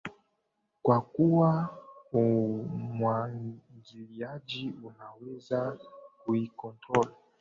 kwa kuwa umwagiliaji unaweza kuicontrol